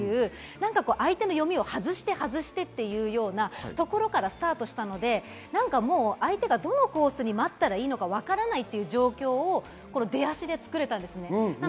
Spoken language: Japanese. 相手の読みを外してというようなところからスタートしたので、相手がどのコースに待ったらいいのかわからない状況を出足で作れたんです。